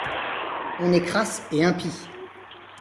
On est crasse et impie.